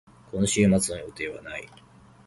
今週末の予定はない。